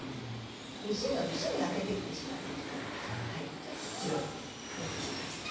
薄いのですぐ焼けてきてしまいますからちょっと強めにしました。